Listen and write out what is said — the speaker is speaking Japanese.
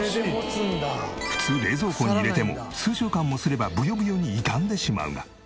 普通冷蔵庫に入れても数週間もすればブヨブヨに傷んでしまうが。